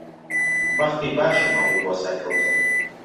بەختی باشم هەبوو بۆ سەرکەوتن.